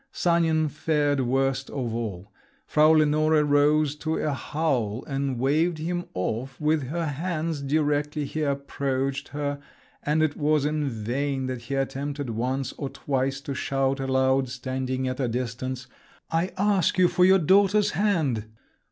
Sanin fared worst of all. Frau Lenore rose to a howl and waved him off with her hands, directly he approached her; and it was in vain that he attempted once or twice to shout aloud, standing at a distance, "I ask you for your daughter's hand!"